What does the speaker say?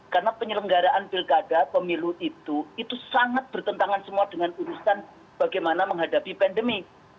karena penyelenggaraan pilkada pemilu itu itu sangat bertentangan semua dengan urusan bagaimana menghadapi pandemi